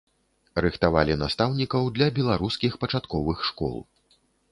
Рыхтавалі настаўнікаў для беларускіх пачатковых школ.